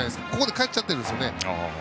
返っちゃってるんですね。